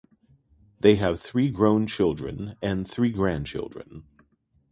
They have three grown children and three grandchildren.